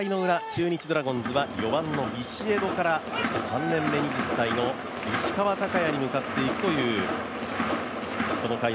中日ドラゴンズは４番のビシエドから、そして３年目、２０歳、石川昂弥に向かっていくという。